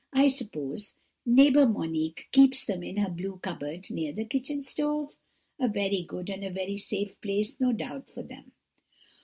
I suppose neighbour Monique keeps them in her blue cupboard near the kitchen stove? a very good and a very safe place, no doubt, for them.'